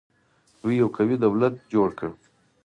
دوی یو قوي دولت جوړ کړ